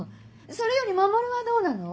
それより守はどうなの？